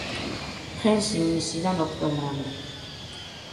ფრენს ივნისიდან ოქტომბრამდე.